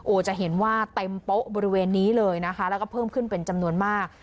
จะเห็นว่าเต็มโป๊ะบริเวณนี้เลยนะคะแล้วก็เพิ่มขึ้นเป็นจำนวนมาก